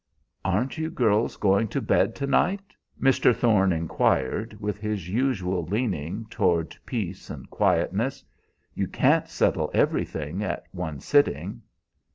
"Aren't you girls going to bed to night?" Mr. Thorne inquired, with his usual leaning toward peace and quietness. "You can't settle everything at one sitting."